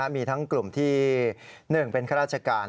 มีทั้งกลุ่มที่๑เป็นข้าราชการ